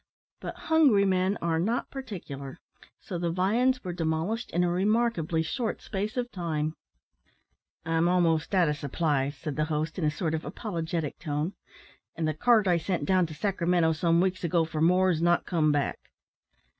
But hungry men are not particular, so the viands were demolished in a remarkably short space of time. "I'm a'most out o' supplies," said the host, in a sort of apologetic tone, "an' the cart I sent down to Sacramento some weeks ago for more's not come back."